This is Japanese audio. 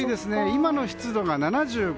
今の湿度が７５％。